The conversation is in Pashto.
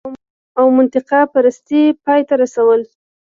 او منطقه پرستۍ پای ته رسول